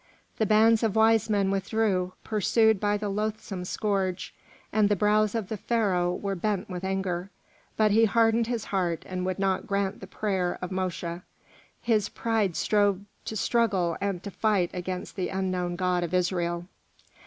The bands of wise men withdrew, pursued by the loathsome scourge, and the brows of the Pharaoh were bent with anger, but he hardened his heart and would not grant the prayer of Mosche; his pride strove to struggle and to fight against the unknown God of Israel.